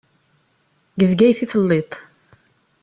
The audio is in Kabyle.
Deg Bgayet i telliḍ.